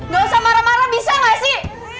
gak usah marah marah bisa nggak sih